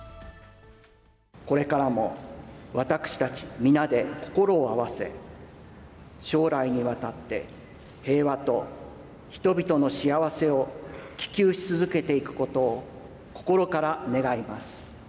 これからも私たち皆で心を合わせ、将来にわたって平和と人々の幸せを希求し続けていくことを心から願います。